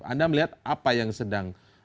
anda melihat apa yang sedang